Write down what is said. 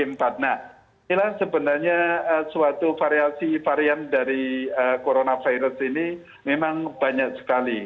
nah inilah sebenarnya suatu variasi varian dari coronavirus ini memang banyak sekali